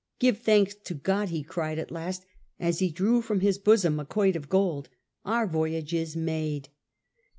^'Give thanks to Grod," he cried at last^ as he drew from his bosom a quoit of gold, " our voyage is made